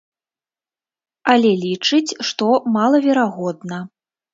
Але лічыць, што малаверагодна.